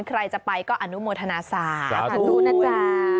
ใครจะไปก็อนุโมทนาสาธุนะจ๊ะ